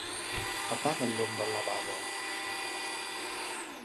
Apaga el llum del lavabo.